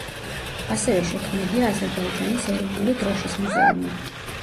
ასევე შექმნილია აზერბაიჯანის ეროვნული დროშის მუზეუმი.